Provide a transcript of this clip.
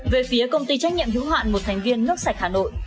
về phía công ty trách nhiệm hữu hạn một thành viên nước sạch hà nội